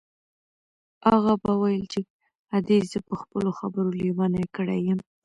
اغا به ویل چې ادې زه په خپلو خبرو لېونۍ کړې یم.